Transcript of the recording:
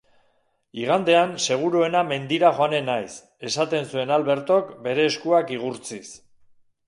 Igandean seguruena mendira joanen naiz, esaten zuen Albertok bere eskuak igurtziz.